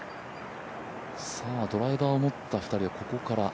ドライバーを持った２人はここから。